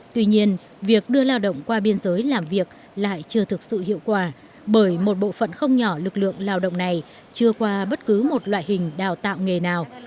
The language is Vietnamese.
tuy nhiên việc đưa lao động qua biên giới làm việc lại chưa thực sự hiệu quả bởi một bộ phận không nhỏ lực lượng lao động này chưa qua bất cứ một loại hình đào tạo nghề nào